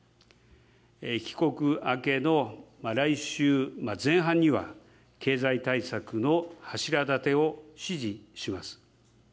帰国明けの来週前半には、経済対策の柱立てを指示します。